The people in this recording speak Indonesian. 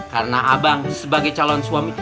karena abang sebagai calon suami